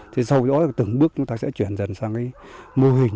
thì sau đó là từng bước chúng ta sẽ chuyển dần sang cái mô hình